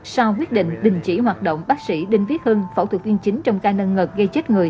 sau quyết định đình chỉ hoạt động bác sĩ đinh viết hưng phẫu thuật viên chính trong ca nâng ngực gây chết người